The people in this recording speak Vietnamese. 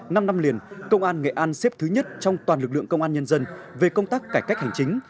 năm năm liền công an nghệ an xếp thứ nhất trong toàn lực lượng công an nhân dân về công tác cải cách hành chính